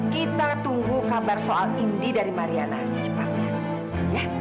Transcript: kita tunggu kabar soal indi dari mariana secepatnya